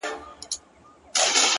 دلته مستي ورانوي دلته خاموشي ورانوي؛